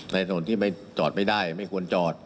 ถนนที่ไม่จอดไม่ได้ไม่ควรจอด